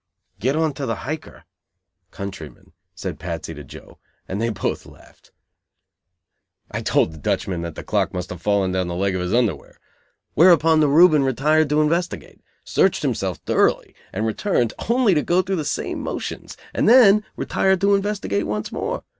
"Get on to the Hiker," (countryman) said Patsy to Joe, and they both laughed. I told the Dutchman that the clock must have fallen down the leg of his underwear; whereupon the Reuben retired to investigate, searched himself thoroughly and returned, only to go through the same motions, and then retire to investigate once more.